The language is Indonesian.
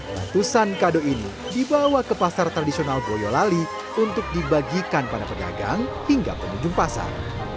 ratusan kado ini dibawa ke pasar tradisional boyolali untuk dibagikan pada pedagang hingga pengunjung pasar